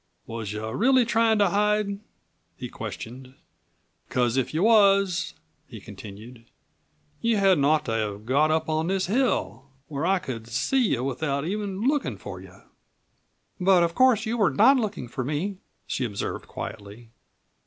"Was you really tryin' to hide?" he questioned. "Because if you was," he continued, "you hadn't ought to have got up on this hill where I could see you without even lookin' for you." "But of course you were not looking for me," she observed quietly.